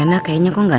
kenapa ngelyh indonesia